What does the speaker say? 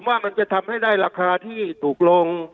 ว่ามันจะทำให้ได้ราคาที่ถูกลง